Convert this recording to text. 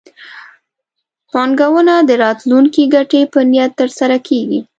پانګونه د راتلونکي ګټې په نیت ترسره کېږي.